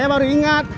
kalau aku punya